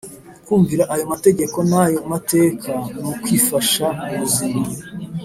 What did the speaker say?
kumvira ayo mategeko n ayo mateka nukwi fasha mubuzima